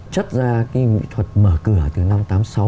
chất ra cái nghệ thuật mở cửa từ năm tám mươi sáu